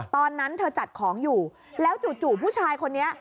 ตอนนั้นเธอจัดของอยู่แล้วจู่ผู้ชายคนนี้